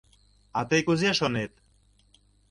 А тый кузе шонет?